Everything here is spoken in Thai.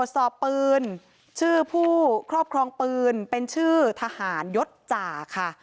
สอบปืนชื่อผู้ครอบครองปืนเป็นชื่อทหารยศจ่าค่ะ